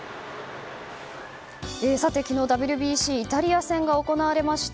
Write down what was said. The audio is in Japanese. さて、昨日ＷＢＣイタリア戦が行われました。